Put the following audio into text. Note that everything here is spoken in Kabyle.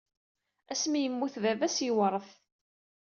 Asmi ay yemmut baba-s, yewṛet.